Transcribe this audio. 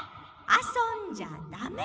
あそんじゃダメ！」。